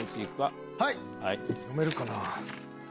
読めるかな。